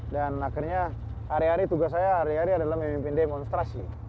dan akhirnya hari hari tugas saya adalah memimpin demonstrasi